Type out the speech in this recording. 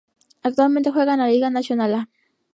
Actualmente juega en la Liga Națională.